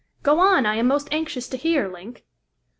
"Go on! I am most anxious to hear, Link!"